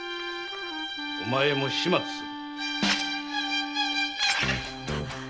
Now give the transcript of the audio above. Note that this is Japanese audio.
お前も始末する。